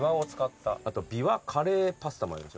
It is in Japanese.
あとびわカレーパスタもありますよ。